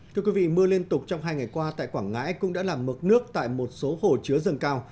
thưa quý vị mưa liên tục trong hai ngày qua tại quảng ngãi cũng đã làm mực nước tại một số hồ chứa dâng cao